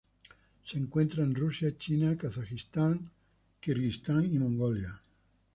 Se encuentra en Rusia, China, Kazajistán, Kirguistán y Mongolia.